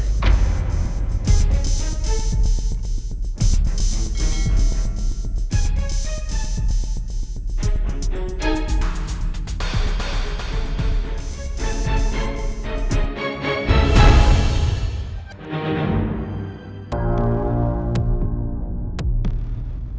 bes editorial yang matem